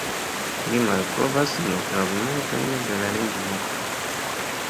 Ili malkovras nur fragmentojn de la lingvo.